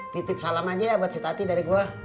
titip salam aja ya buat si tati dari gua